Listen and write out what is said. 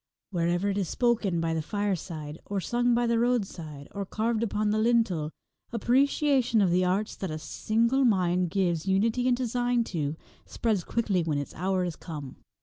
Wherever it is spoken by the fireside, or sung by the roadside, or carved upon the lintel, appreciation of the arts that a single mind gives unity and design to, spreads quickly when its hour is come.